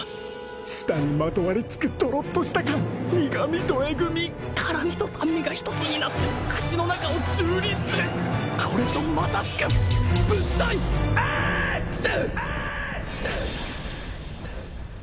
舌にまとわりつくドロッとした感苦みとエグみ辛みと酸味が一つになって口の中を蹂躙するこれぞまさしく物体エーックス！